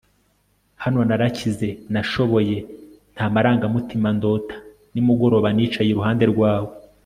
hano narakize! nashoboye, nta marangamutima, ndota nimugoroba, nicaye iruhande rwawe